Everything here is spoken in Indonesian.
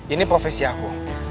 ini profesi aku